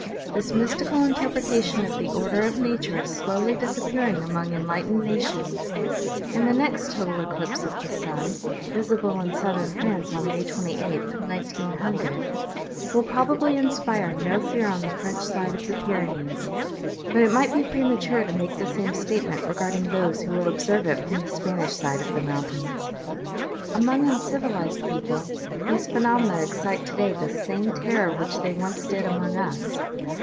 This mys tical interpretation of the order of nature is slowly disap pearing among enlightened nations, and the next total eclipse of the sun, visible in southern France on May 28, 1900, will probably inspire no fear on the French side of the Pyrenees ; but it might be premature to make the same statement regarding those who will observe it from the Spanish side of the mountains. Among uncivilized people these phenomena excite today the same terror which they once did among us.